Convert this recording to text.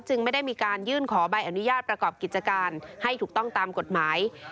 ไม่ได้มีการยื่นขอใบอนุญาตประกอบกิจการให้ถูกต้องตามกฎหมาย